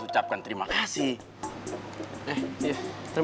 eh iya terima kasih bella